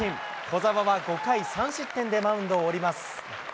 小澤は５回３失点でマウンドを降ります。